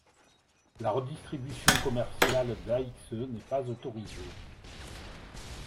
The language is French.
La redistribution commerciale d'AxE n'est pas autorisée.